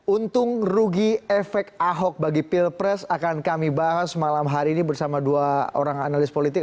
untung rugi efek ahok bagi pilpres akan kami bahas malam hari ini bersama dua orang analis politik